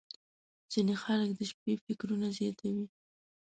• ځینې خلک د شپې فکرونه زیاتوي.